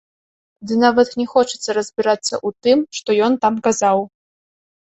Ды нават не хочацца разбірацца ў тым, што ён там казаў.